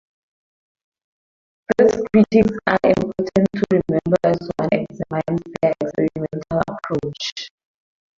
These critiques are important to remember as one examines their experimental approach.